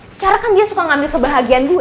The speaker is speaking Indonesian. secara kan dia suka ngambil kebahagiaan gue